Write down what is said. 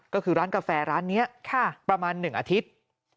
ก็คือร้านกาแฟร้านนี้ประมาณ๑อาทิตย์